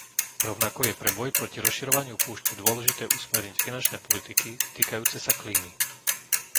Rovnako je pre boj proti rozširovaniu púšte dôležité usmerniť finančné politiky týkajúce sa klímy.